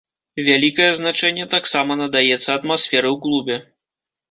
Вялікае значэнне таксама надаецца атмасферы ў клубе.